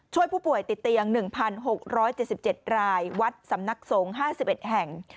ช่วยผู้ป่วยติดเตียง๑๖๗๗รายวัดสำนักสงฆ์๕๑แห่ง